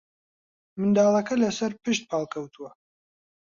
منداڵەکە لەسەرپشت پاڵکەوتووە